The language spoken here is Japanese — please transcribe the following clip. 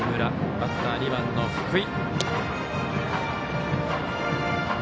バッターは２番、福井。